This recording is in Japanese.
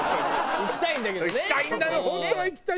行きたいんだよ。